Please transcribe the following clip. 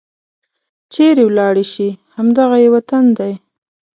چيرې ولاړې شي؟ همد غه یې وطن دی